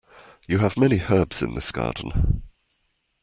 You have many herbs in this garden.